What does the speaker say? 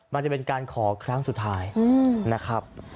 มันจะเป็นการขอครั้งสุดท้ายนะครับ